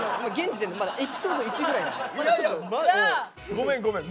ごめんごめん。